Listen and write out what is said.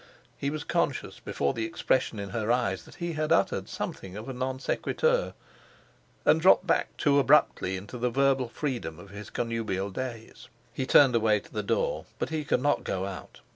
He was conscious, before the expression in her eyes, that he had uttered something of a non sequitur, and dropped back too abruptly into the verbal freedom of his connubial days. He turned away to the door. But he could not go out.